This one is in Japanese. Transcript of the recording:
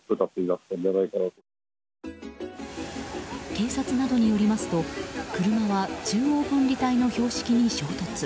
警察などによりますと車は中央分離帯の標識に衝突。